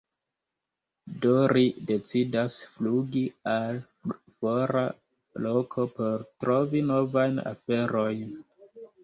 Do ri decidas flugi al fora loko por trovi novajn aferojn.